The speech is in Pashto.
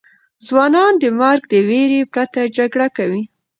ځوانان د مرګ د ویرې پرته جګړه کوي.